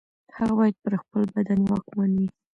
هغه باید پر خپل بدن واکمن وي.